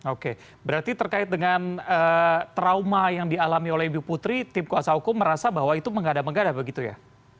oke berarti terkait dengan trauma yang dialami oleh ibu putri tim kuasa hukum merasa bahwa itu menggada menggada begitu ya